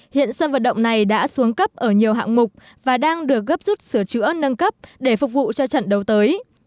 hiện sân vật động này đã xuống cấp ở nhiều hạng mục và đang được gấp rút sửa chữa nâng cấp để phục vụ cho trận đấu tới